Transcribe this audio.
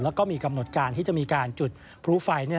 แล้วก็มีกำหนดการที่จะมีการจุดพลุไฟ